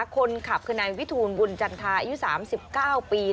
คนขับคือนายวิทูลบุญจันทาอายุ๓๙ปี